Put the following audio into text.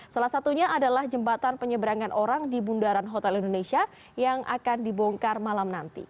salah satunya adalah jembatan penyeberangan orang di bundaran hotel indonesia yang akan dibongkar malam nanti